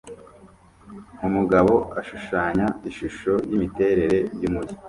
Umugabo ashushanya ishusho yimiterere yumujyi